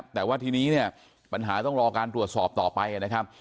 แต่ว่าทีนี้เนี่ยปัญหาต้องรอการตรวจสอบต่อไปนะครับ